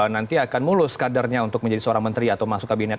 nanti akan mulus kadernya untuk menjadi seorang menteri atau masuk kabinet